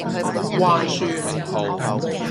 關書名號